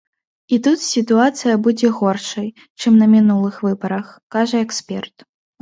І тут сітуацыя будзе горшай, чым на мінулых выбарах, кажа эксперт.